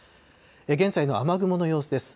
現在の雨雲の様子です。